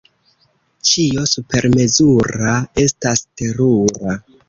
Ĉio supermezura estas terura.